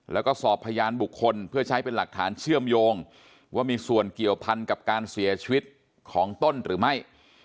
แล้วก็สอบพยานบุคคลเพื่อใช้เป็นหลักฐานเชื่อมโยงว่ามีส่วนเกี่ยวพันกับการเสียชีวิตของต้นหรือไม่